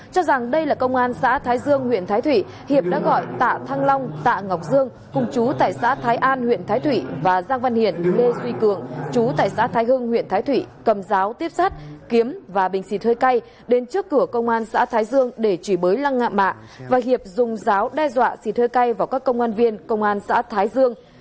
cho rằng đây là công an xã thái dương huyện thái thủy hiệp đã gọi tạ thăng long tạ ngọc dương cùng chú tại xã thái an huyện thái thủy và giang văn hiển lê duy cường chú tại xã thái hương huyện thái thủy cầm giáo tiếp sát kiếm và bình xì thơi cay đến trước cửa công an xã thái dương để trùy bới lăng ngạm bạ và hiệp dùng giáo đe dọa xì thơi cay vào các công an viên công an xã thái dương